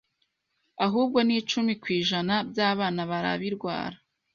Ahubwo n’icumi kw’ijana by'abana barabirwara